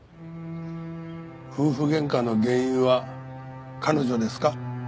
夫婦喧嘩の原因は彼女ですか？